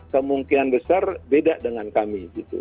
kemungkinan besar beda dengan kami